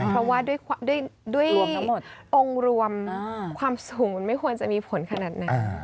เพราะว่าด้วยองค์รวมความสูงมันไม่ควรจะมีผลขนาดนั้น